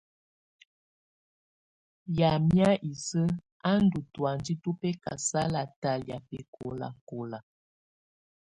Yamɛ̀á isǝ́ á ndù tɔ̀ánjɛ tu bɛkasala talɛ̀́á bɛkɔlakɔla.